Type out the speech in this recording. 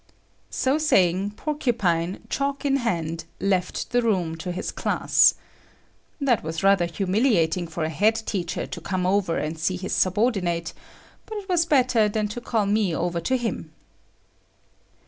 So saying, Porcupine, chalk in hand, left the room to his class. That was rather humiliating for a head teacher to come over and see his subordinate, but it was better than to call me over to him.